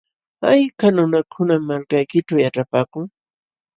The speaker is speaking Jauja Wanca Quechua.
¿Hayka nunakunam malkaykićhu yaćhapaakun?